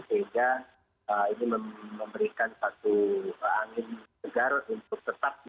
sehingga ini memberikan satu angin segar untuk tetap kita bekerja sebaik mungkin